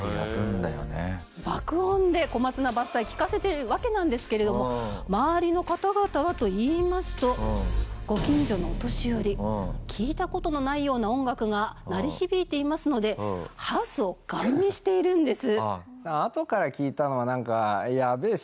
爆音で『小松菜伐採』聞かせているわけなんですけれども周りの方々はといいますとご近所のお年寄り聞いた事のないような音楽が鳴り響いていますのでハウスをガン見しているんです。